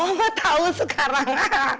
mama tau sekarang